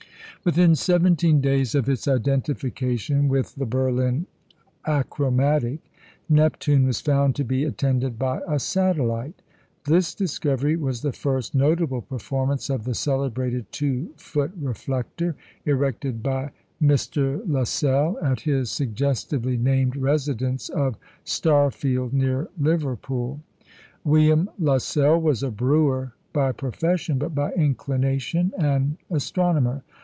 Within seventeen days of its identification with the Berlin achromatic, Neptune was found to be attended by a satellite. This discovery was the first notable performance of the celebrated two foot reflector erected by Mr. Lassell at his suggestively named residence of Starfield, near Liverpool. William Lassell was a brewer by profession, but by inclination an astronomer.